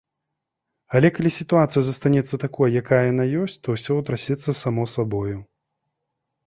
Але калі сітуацыя застанецца такой, якая яна ёсць, то ўсё ўтрасецца само сабою.